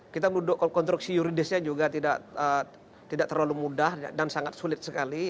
kita duduk konstruksi yuridisnya juga tidak terlalu mudah dan sangat sulit sekali